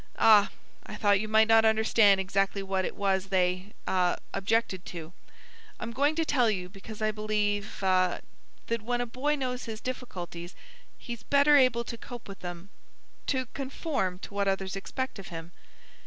"Ah—I thought you might not understand exactly what it was they—ah—objected to. I'm going to tell you, because I believe—ah—that when a boy knows his difficulties he's better able to cope with them—to conform to what others expect of him."